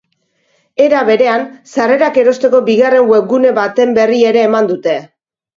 Era berean, sarrerak erosteko bigarren webgune baten berri ere eman dute.